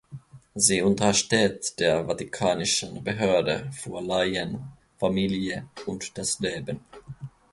Sie untersteht der vatikanischen Behörde für Laien, Familie und das Leben.